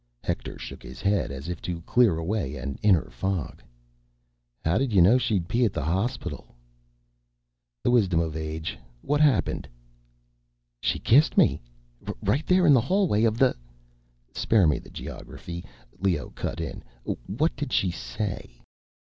Hector shook his head, as if to clear away an inner fog. "How did you know she'd be at the hospital?" "The wisdom of age. What happened?" "She kissed me. Right there in the hallway of the—" "Spare me the geography," Leoh cut in. "What did she say?"